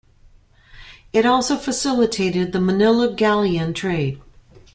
It also facilitated the Manila Galleon trade.